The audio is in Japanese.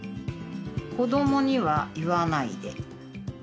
子どもには言わないで。